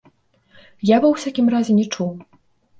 Я, ва ўсякім разе, не чуў.